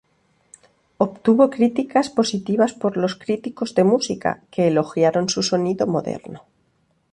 Obtuvo críticas positivas por los críticos de música, que elogiaron su sonido moderno.